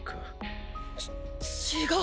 ち違う！